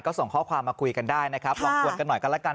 ก็ส่งข้อความมาคุยกันได้นะครับลองกวนกันหน่อยกันแล้วกัน